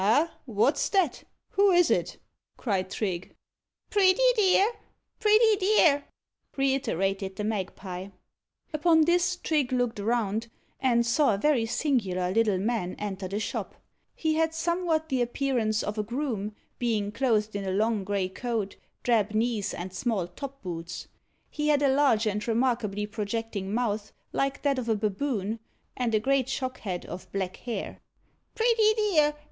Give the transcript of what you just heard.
"Ah! what's that? Who is it?" cried Trigge. "Pretty dear! pretty dear!" reiterated the magpie. Upon this, Trigge looked around, and saw a very singular little man enter the shop. He had somewhat the appearance of a groom, being clothed in a long grey coat, drab knees, and small top boots. He had a large and remarkably projecting mouth, like that of a baboon, and a great shock head of black hair. "Pretty dear!